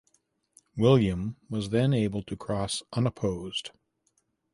William was then able to cross unopposed.